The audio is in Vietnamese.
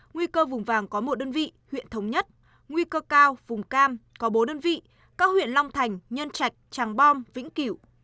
nguy cơ vùng vàng có một đơn vị huyện thống nhất nguy cơ cao vùng cam có bốn đơn vị các huyện long thành nhân trạch tràng bom vĩnh kiểu